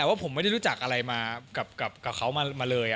แต่ว่าผมไม่ได้รู้จักอะไรมากับเขามาเลย